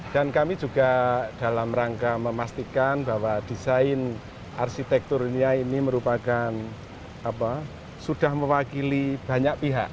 dan kami juga dalam rangka memastikan bahwa desain arsitekturnya ini merupakan apa sudah mewakili banyak pihak